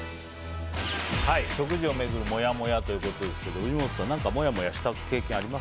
食事を巡るモヤモヤということですけど藤本さん何かモヤモヤした経験あります？